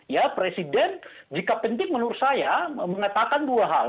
ya presiden jika penting menurut saya mengatakan dua hal